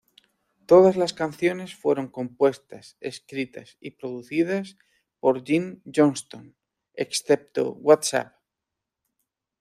Todas las canciones fueron compuestas, escritas y producidas por Jim Johnston, excepto "What's Up?